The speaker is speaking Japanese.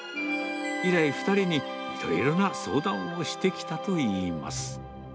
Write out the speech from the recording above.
以来、２人にいろいろな相談をしてきたといいます。